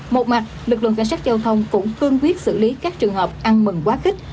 một mặt lực lượng cảnh sát giao thông cũng cương quyết xử lý các trường hợp ăn mừng quá khích